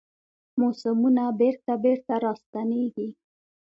موسمونه بیرته، بیرته راستنیږي